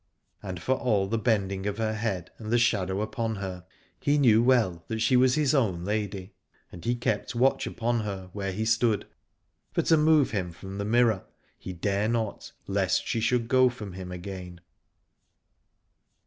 And for all the bending of her head and the shadow upon her, he knew well that she was his own lady ; and he kept watch upon her where he stood, for to move him from the mirror G 97 Aladore he dare not, lest she should go from him again.